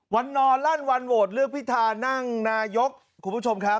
นอนลั่นวันโหวตเลือกพิธานั่งนายกคุณผู้ชมครับ